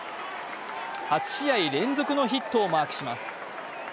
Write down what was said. ８試合連続のヒットをマークします